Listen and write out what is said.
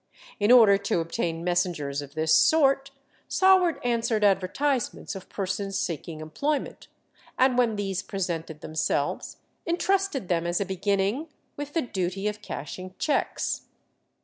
In order to obtain messengers of this sort, Saward answered advertisements of persons seeking employment, and when these presented themselves, intrusted them as a beginning with the duty of cashing cheques.